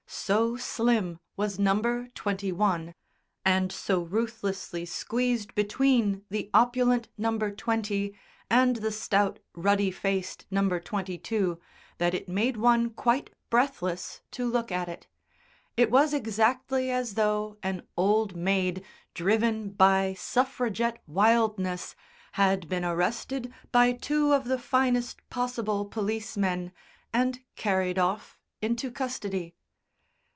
So slim was No. 21, and so ruthlessly squeezed between the opulent No. 20 and the stout ruddy faced No. 22, that it made one quite breathless to look at it; it was exactly as though an old maid, driven by suffragette wildness, had been arrested by two of the finest possible policemen, and carried off into custody.